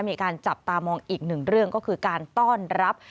มีการจับตามองอีกหนึ่งเรื่องก็คือการต้อนรับ